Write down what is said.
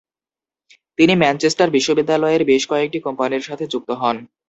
তিনি ম্যানচেস্টার বিশ্ববিদ্যালয়ের বেশ কয়েকটি কোম্পানির সাথে যুক্ত হন।